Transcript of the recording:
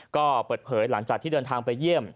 ก็เปิดเผยหลังจากที่เดินทางไปเยี่ยม